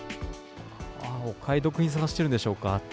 お買い得品を探してるんでしょうか。